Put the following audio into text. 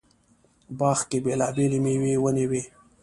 باغ کې بېلابېلې مېوې ونې وې.